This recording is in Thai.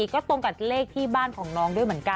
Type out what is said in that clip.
๖๔ก็ตรงกับเลขที่บ้านของน้อง